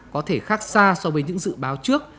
có thể khác xa so với những dự báo trước